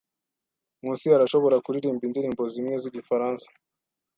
Nkusi arashobora kuririmba indirimbo zimwe zigifaransa.